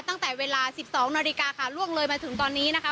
ตั้งแต่เวลา๑๒นาฬิกาค่ะล่วงเลยมาถึงตอนนี้นะคะ